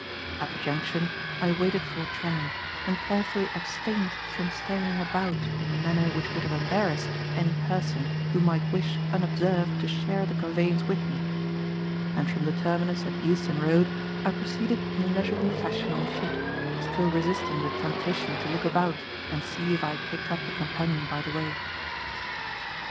At the Junction I waited for a tram and carefully abstained from staring about in a manner which would have embarrassed any person who might wish unobserved to share the conveyance with me; and from the terminus at Euston Road I proceeded in leisurely fashion on foot, still resisting the temptation to look about and see if I had picked up a companion by the way.